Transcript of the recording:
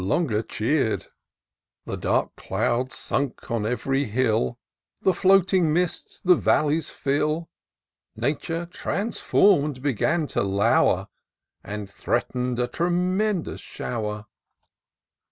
longer cheer'd; The dark clouds sank on ev'ry hill ; The floiating mists the valleys fill : Nature, transform'd, began to low'r. And threateh'd a tremendous show'r.